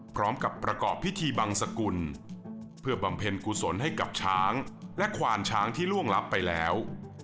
พร้อมกับประกอบพิธีบังสกุลเพื่อบำเพ็ญกุศลให้กับช้างและควานช้างที่ล่วงลับไปแล้ว